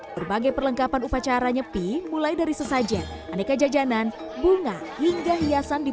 berbagai perlengkapan upacara nyepi mulai dari sesajen aneka jajanan bunga hingga hiasan di